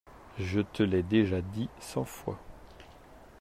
Je te l'ai déjà dit cent fois.